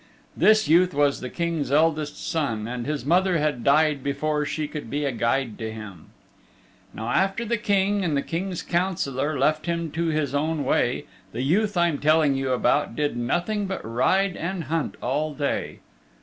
This youth was the King's eldest son and his mother had died before she could be a guide to him. Now after the King and the King's Councillor left him to his own way the youth I'm telling you about did nothing but ride and hunt all day.